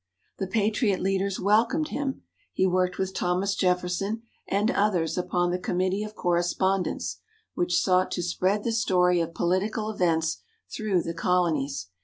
The Patriot leaders welcomed him. He worked with Thomas Jefferson and others upon the Committee of Correspondence, which sought to spread the story of political events through the Colonies.